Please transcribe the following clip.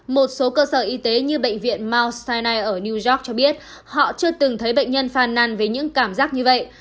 một số cơ sở y tế như bệnh viện mount sinai ở new york cho biết họ chưa từng thấy bệnh nhân phàn năn với những cảm giác như vậy